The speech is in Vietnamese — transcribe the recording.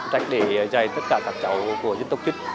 trách để dạy tất cả các cháu của dân tộc chất